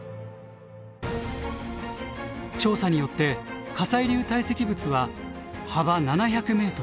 調査によって火砕流堆積物は幅７００ｍ